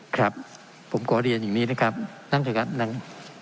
ครับผมขอเรียนอย่างนี้นะครับนั่งเถอะครับนั่ง